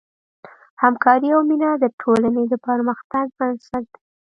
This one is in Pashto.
همکاري او مینه د ټولنې د پرمختګ بنسټ دی.